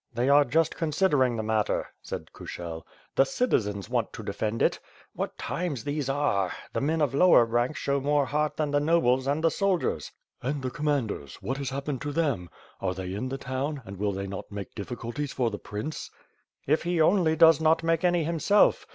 "They are just considering the matter," said Kushel, "The citizens want to defend it. What times these are! The men of lower rank show more heari; than the nobles and the soldiers." "And the Commanders? What has happened to them? Are they in the town, and will they not make difficulties for the prince?" "If he only does not make any himself!